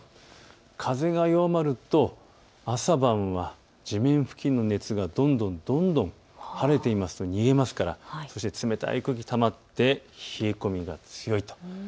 風が弱まると朝晩は地面付近の熱がどんどん、どんどん、晴れていますと逃げますから冷たい空気がたまって冷え込みが強いと。